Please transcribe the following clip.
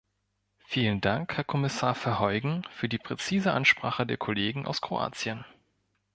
Vielen Dank, Herr Kommissar Verheugen, für die präzise Ansprache der Kollegen aus Kroatien.